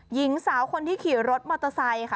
หญิงสาวคนที่ขี่รถมอเตอร์ไซค์ค่ะ